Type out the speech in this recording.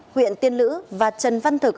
huyện tiên lữ và trần văn thực